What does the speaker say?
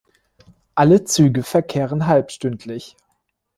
Alle Züge verkehren halbstündlich.